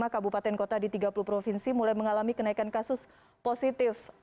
lima kabupaten kota di tiga puluh provinsi mulai mengalami kenaikan kasus positif